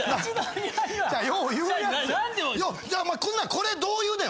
これどう言うねん。